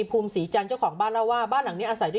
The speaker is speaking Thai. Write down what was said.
ภูมิศรีจันทร์เจ้าของบ้านเล่าว่าบ้านหลังนี้อาศัยด้วย